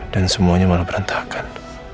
dan semuanya malah berantakan